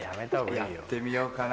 やってみようかな？